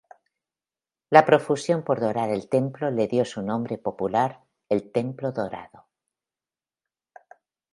La profusión por dorar el templo le dio su nombre popular el "Templo Dorado".